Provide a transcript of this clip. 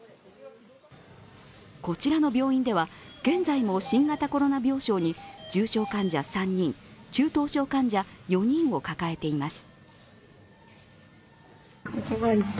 こちらの病院では、現在も新型コロナ病床に重症患者３人、中等症患者４人を抱えています。